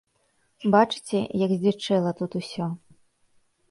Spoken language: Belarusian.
Бачыце, як здзічэла тут усё.